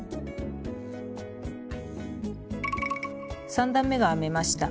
３段めが編めました。